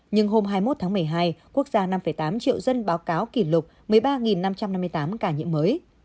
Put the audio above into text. nhưng hôm hai mươi một tháng một mươi hai quốc gia năm tám triệu dân báo cáo kỷ lục một mươi ba năm trăm năm mươi tám ca nhiễm mới